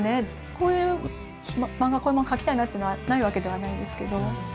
こういう漫画描きたいなっていうのはないわけではないですけど